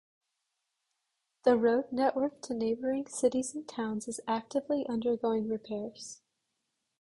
The road network to neighbouring cities and towns is actively undergoing repairs.